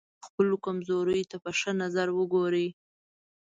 خپلو کمزوریو ته په ښه نظر وګورئ.